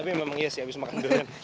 tapi memang iya sih habis makan durian